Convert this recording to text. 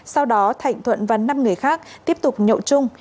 sau đó thạnh thuận và năm người khác tiếp tục nhậu chung